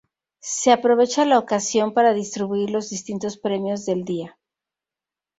Se aprovecha la ocasión para distribuir los distintos premios del día.